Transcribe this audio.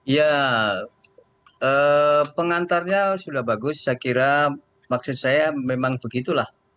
ya pengantarnya sudah bagus saya kira maksud saya memang begitulah